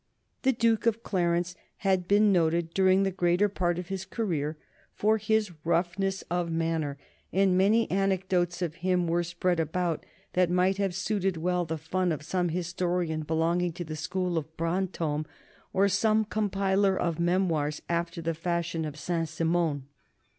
The Duke of Clarence had been noted, during the greater part of his career, for his roughness of manner, and many anecdotes of him were spread about which might have suited well the fun of some historian belonging to the school of Brantôme, or some compiler of memoirs after the fashion of Saint Simon.